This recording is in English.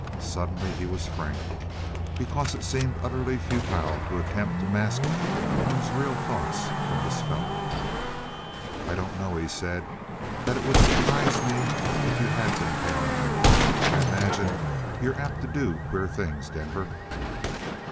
Suddenly he was frank, because it seemed utterly futile to attempt to mask one's real thoughts from this fellow. "I don't know," he said, "that it would surprise me if you had been tailing me. I imagine you're apt to do queer things, Denver."